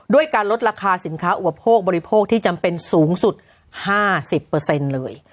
ด้วยการลดราคาสินค้าอุปโภคบริโภคที่จำเป็นสูงสุด๕๐เลย